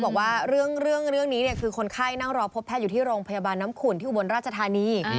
บอกว่าเรื่องนี้คือคนไข้นั่งรอพบแพทย์อยู่ที่โรงพยาบาลน้ำขุนที่อุบลราชธานี